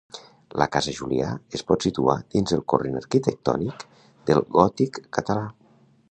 La casa Julià es pot situar dins el corrent arquitectònic del gòtic català.